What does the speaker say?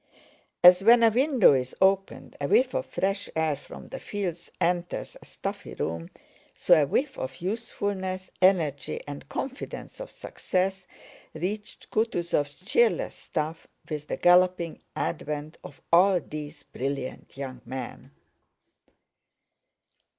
As when a window is opened a whiff of fresh air from the fields enters a stuffy room, so a whiff of youthfulness, energy, and confidence of success reached Kutúzov's cheerless staff with the galloping advent of all these brilliant young men.